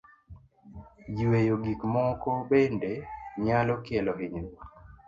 Yueyo gik moko bende nyalo kelo hinyruok.